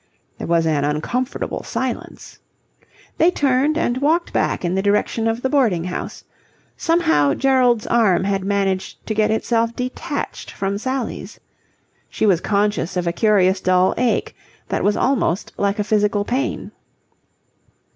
There was an uncomfortable silence. They turned and walked back in the direction of the boarding house. Somehow Gerald's arm had managed to get itself detached from Sally's. She was conscious of a curious dull ache that was almost like a physical pain.